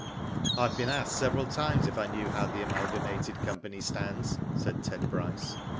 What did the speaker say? ''I have been asked several times if I knew how the Amalgamated Company stands," said Ted Bryce.